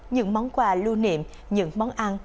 những món quà lưu niệm những món ăn